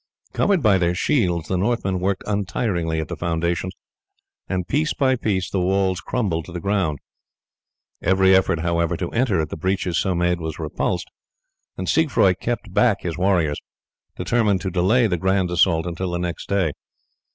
Covered by their shields the Northmen worked untiringly at the foundations, and piece by piece the walls crumbled to the ground. Every effort, however, to enter at the breaches so made was repulsed, and Siegfroi kept back his warriors, determined to delay the grand assault until the next day.